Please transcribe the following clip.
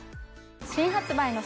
新発売の。